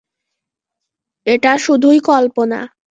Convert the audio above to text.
এটা শুধুই কল্পনা।